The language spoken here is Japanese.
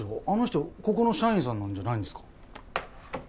あの人ここの社員さんなんじゃないんですか？